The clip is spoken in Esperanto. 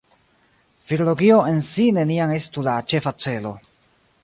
Filologio en si neniam estu la ĉefa celo.